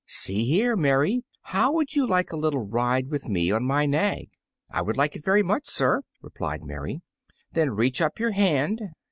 See here, Mary, how would you like a little ride with me on my nag?" "I would like it very much, sir," replied Mary. "Then reach up your hand.